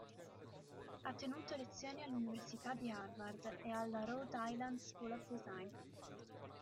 Ha tenuto lezioni all'Università di Harvard e alla Rhode Island School of Design.